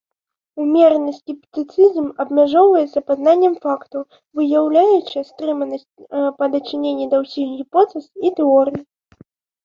Ўмераны скептыцызм абмяжоўваецца пазнаннем фактаў, выяўляючы стрыманасць па дачыненні да ўсіх гіпотэз і тэорый.